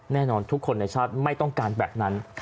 แน่นอนทุกคนในชาติไม่ต้องการแบบนั้น